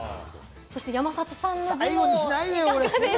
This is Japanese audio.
そして山里さん。